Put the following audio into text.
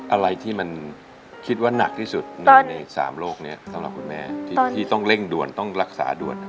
อะไรที่มันคิดว่านักที่สุดใน๓โรคนี้สำหรับคุณแม่ที่ต้องเร่งด่วนต้องรักษาด่วน